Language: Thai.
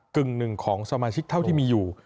กึ่งหนึ่งของสมาชิกเท่าที่มีอยู่